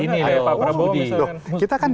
ini ya pak prabowo misalkan